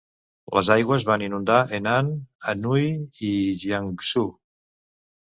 Les aigües van inundar Henan, Anhui i Jiangsu.